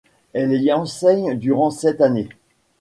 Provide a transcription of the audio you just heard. Elle y enseigne durant sept années.